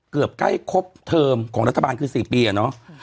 เกือบใกล้ครบเทอมของรัฐบาลคือ๔ปีอะเนาะ